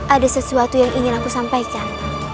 ada sesuatu yang ingin aku sampaikan